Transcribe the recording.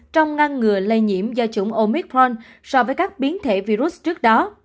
trong ngăn ngừa lây nhiễm do chủng omicron so với các biến thể virus trước đó